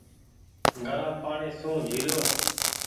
گرم پآڻيٚ سون جيهلو ۔